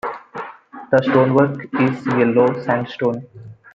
The stone work is yellow sandstone.